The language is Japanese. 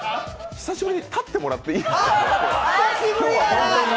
久しぶりに立ってもらっていいですか？